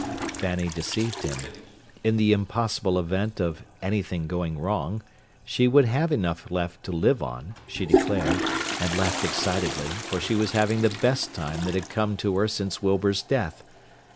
Fanny deceived him. In the impossible event of "anything going wrong" she would have enough left to "live on," she declared, and laughed excitedly, for she was having the best time that had come to her since Wilbur's death.